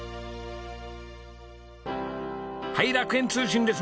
はい楽園通信です。